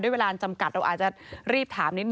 เวลาจำกัดเราอาจจะรีบถามนิดน